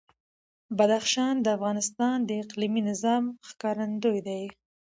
بدخشان د افغانستان د اقلیمي نظام ښکارندوی ده.